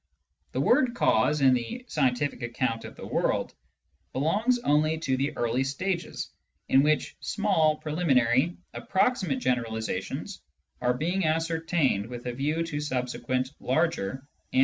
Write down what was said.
The word "cause," in the scientific account of the world, belongs only to the early stages, in which small preliminary, ap proximate generalisations are being ascertained with a view to subsequent larger and more invariable laws.